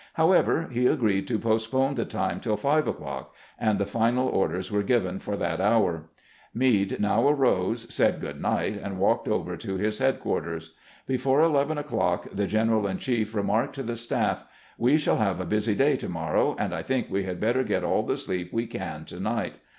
However, he agreed to postpone the time till five o'clock, and the final orders were given for that hour. Meade now arose, said good night, and walked over to his headquarters. Before eleven o'clock the general in chief remarked to the staff :" We shall have a busy day to morrow, and I think we had better get aU the sleep we can to night.